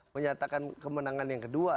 menyatakan kemenangan yang kedua